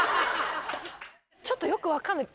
ちょっとよく分かんない。